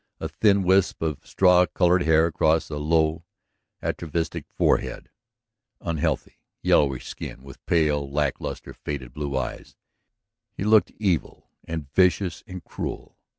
A thin wisp of straw colored hair across a low, atavistic forehead, unhealthy, yellowish skin, with pale, lack lustre, faded blue eyes, he looked evil and vicious and cruel.